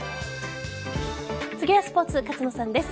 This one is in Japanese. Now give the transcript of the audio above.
次はスポーツ勝野さんです。